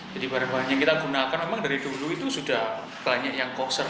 jadi barang barang yang kita gunakan memang dari dulu itu sudah banyak yang koser